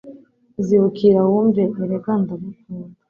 Zibukira wumve erega ndagukunda